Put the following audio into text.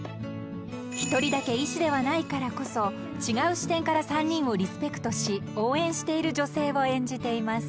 ［一人だけ医師ではないからこそ違う視点から３人をリスペクトし応援している女性を演じています］